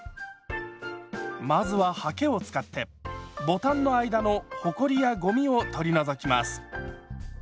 まずははけを使ってボタンの間のほこりやごみを取り除きます。